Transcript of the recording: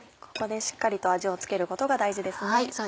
ここでしっかりと味を付けることが大事ですね。